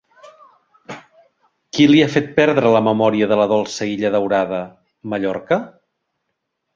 Qui li ha fet perdre la memòria de la dolça illa daurada, Mallorca?